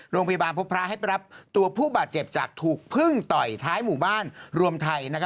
โรงพยาบาลพบพระให้ไปรับตัวผู้บาดเจ็บจากถูกพึ่งต่อยท้ายหมู่บ้านรวมไทย